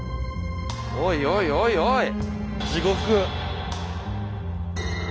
おいおいおいおい！